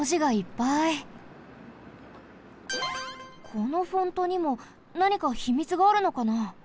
このフォントにもなにかひみつがあるのかな？